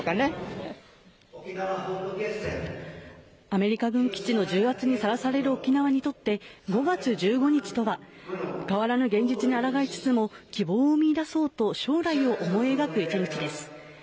アメリカ軍基地の重圧にさらされる沖縄にとって５月１５日とは変わらぬ現実に抗いつつも希望を見出そうと将来を思い描く１日です。